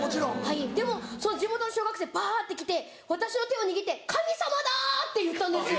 でもその地元の小学生バって来て私の手を握って「神様だ！」って言ったんですよ。